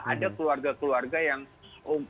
ada keluarga keluarga yang